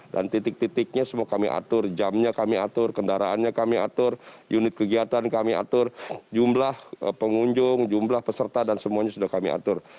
dan titik titiknya semua kami atur jamnya kami atur kendaraannya kami atur unit kegiatan kami atur jumlah pengunjung jumlah peserta dan semuanya sudah kami atur